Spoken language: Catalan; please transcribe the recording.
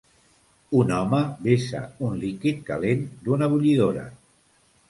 Un home vessa un líquid calent d'una bullidora.